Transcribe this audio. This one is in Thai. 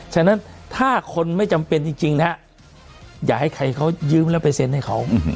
ฉะนั้นถ้าคนไม่จำเป็นจริงอย่าให้เค้ายืมแล้วไปเซ็นต์ให้เค้า